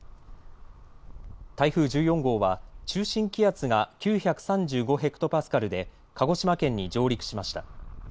台風１４号は中心気圧が９３５ヘクトパスカルで鹿児島県に上陸しました。